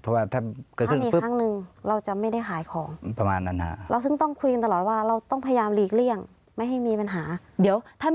เพราะว่าถ้าเกิดขึ้นอีกครั้งนึงเราจะไม่ได้หายของ